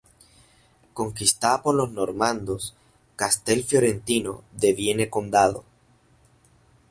Conquistada por los normandos, Castel Fiorentino deviene condado.